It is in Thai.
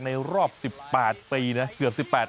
รอบ๑๘ปีนะเกือบ๑๘ปี